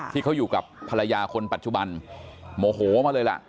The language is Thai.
ที่เขาอยู่กับภรรยาคนปัจจุบันโมโหมาเลยล่ะ